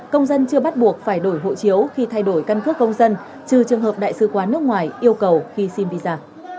công dân chưa bắt buộc phải đổi hộ chiếu khi thay đổi căn cước công dân trừ trường hợp đại sứ quán nước ngoài yêu cầu khi xin visa